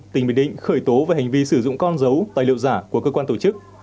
tỉnh bình định khởi tố về hành vi sử dụng con dấu tài liệu giả của cơ quan tổ chức